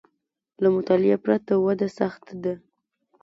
له مطالعې پرته وده سخته ده